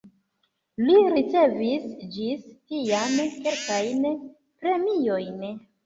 Li ricevis ĝis tiam kelkajn premiojn.